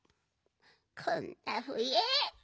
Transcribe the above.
こんなふえ。